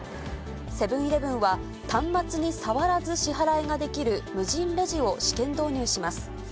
セブンーイレブンは、端末に触らず支払いができる、無人レジを試験導入します。